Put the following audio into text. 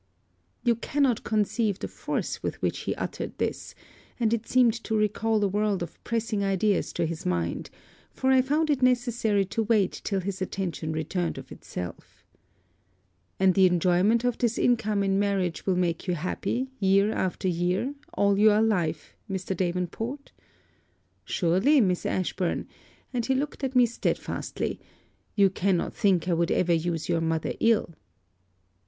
You cannot conceive the force with which he uttered this; and it seemed to recal a world of pressing ideas to his mind: for I found it necessary to wait till his attention returned of itself. 'And the enjoyment of this income in marriage will make you happy, year after year, all your life, Mr. Davenport?' 'Surely, Miss Ashburn,' and he looked at me stedfastly, 'you cannot think I would ever use your mother ill.'